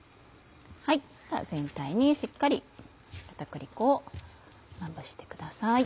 全体にしっかり片栗粉をまぶしてください。